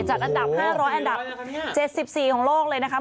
จัดอันดับ๕๐๐อันดับ๗๔ของโลกเลยนะครับ